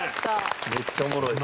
めっちゃおもろいですね。